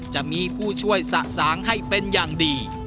จะมีผู้ช่วยสะสางให้เป็นอย่างดี